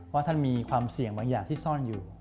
ว่าท่านมีความเสี่ยงบางอย่างที่ซ่อนอยู่